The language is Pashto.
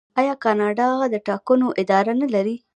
آیا کاناډا د ټاکنو اداره نلري؟